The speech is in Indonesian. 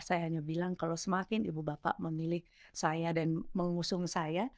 saya hanya bilang kalau semakin ibu bapak memilih saya dan mengusung saya